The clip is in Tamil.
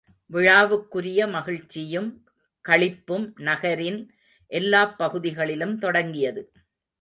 விழாவுக்குரிய மகிழ்ச்சியும் களிப்பும் நகரின் எல்லாப் பகுதிகளிலும் தொடங்கியது.